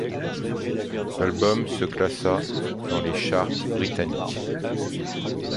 L'album se classa dans les charts britanniques.